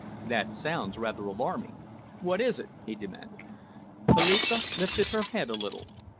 "That sounds rather alarming what is it?" he demanded. Philippa lifted her head a little.